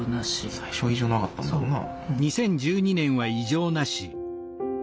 最初は異常なかったんだもんな。